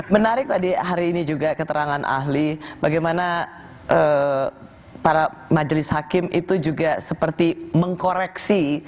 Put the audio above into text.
menarik tadi hari ini juga keterangan ahli bagaimana para majelis hakim itu juga seperti mengkoreksi